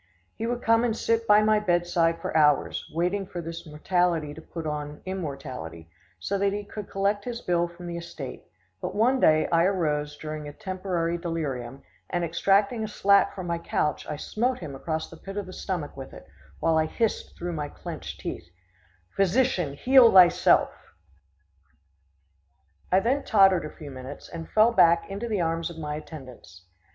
He would come and sit by my bedside for hours, waiting for this mortality to put on immortality, so that he could collect his bill from the estate, but one day I arose during a temporary delirium, and extracting a slat from my couch I smote him across the pit of the stomach with it, while I hissed through my clenched teeth: "Physician, heal thyself." [Illustration: "PHYSICIAN, HEAL THYSELF."] I then tottered a few minutes, and fell back into the arms of my attendants.